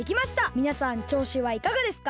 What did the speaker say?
みなさんちょうしはいかがですか？